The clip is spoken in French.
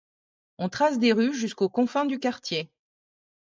On trace des rues jusqu'aux confins du quartier.